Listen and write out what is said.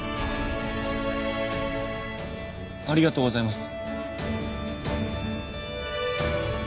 ありがとうございます。